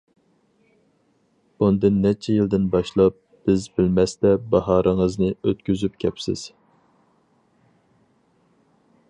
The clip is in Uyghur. بۇندىن نەچچە يىلدىن باشلاپ، بىز بىلمەستە باھارىڭىزنى ئۆتكۈزۈپ كەپسىز.